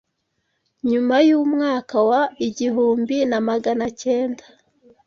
nyuma y’umwaka wa igihumbi na maganacyenda